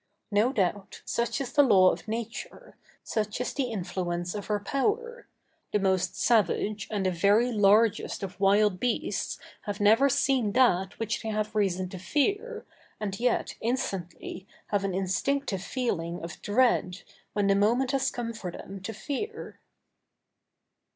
No doubt, such is the law of Nature, such is the influence of her power—the most savage and the very largest of wild beasts have never seen that which they have reason to fear, and yet instantly have an instinctive feeling of dread, when the moment has come for them to fear.